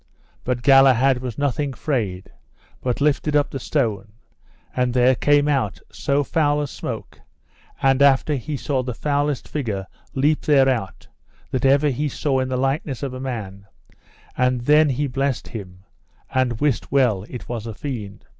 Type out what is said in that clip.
But Galahad was nothing afraid, but lifted up the stone; and there came out so foul a smoke, and after he saw the foulest figure leap thereout that ever he saw in the likeness of a man; and then he blessed him and wist well it was a fiend.